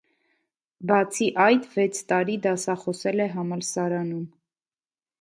Բացի այդ, վեց տարի դասախոսել է համալսարանում։